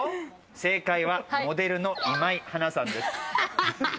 正解はモデルの今井華さんです。